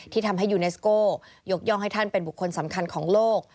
ทำให้ยูเนสโก้ยกย่องให้ท่านเป็นบุคคลสำคัญของโลก